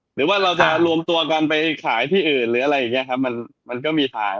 หรือว่าเราจะรวมตัวกันไปขายที่อื่นมันก็มีทาง